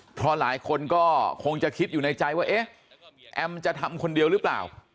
เพราะหลายคนก็คงจะคิดอยู่ในใจว่าเอ๊ะแอมจะทำคนเดียวหรือเปล่า